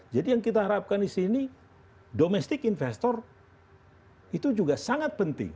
jadi yang kita harapkan di sini domestic investor itu juga sangat penting